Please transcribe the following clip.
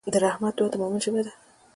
د رحمت دعا د مؤمن ژبه ده.